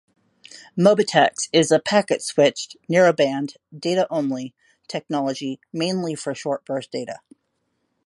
Mobitex is a packet-switched, narrowband, data-only technology mainly for short burst data.